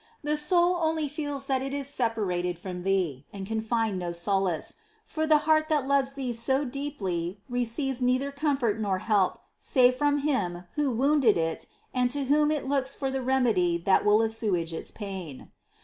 The soul only feels that it is separated from Thee and can find no solace, for the heart that loves Thee so deeply receives neither comfort nor help save from Him Who wounded it and to Whom it looks for the remedy that will assuage its pain.